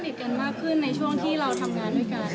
กันมากขึ้นในช่วงที่เราทำงานด้วยกัน